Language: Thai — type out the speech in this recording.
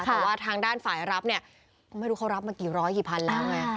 แต่ว่าทางด้านฝ่ายรับเนี่ยไม่รู้เขารับมากี่ร้อยกี่พันแล้วไง